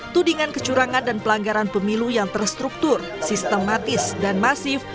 tudingan kecurangan dan pelanggaran pemilu yang terstruktur sistematis dan masif